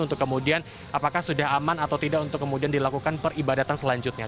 untuk kemudian apakah sudah aman atau tidak untuk kemudian dilakukan peribadatan selanjutnya